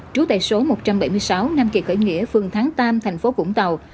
trú tại số một trăm bảy mươi sáu nam kỳ khởi nghĩa phương tháng tam thành phố vũng tàu